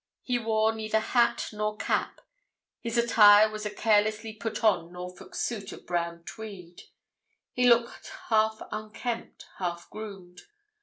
He wore neither hat nor cap; his attire was a carelessly put on Norfolk suit of brown tweed; he looked half unkempt, half groomed.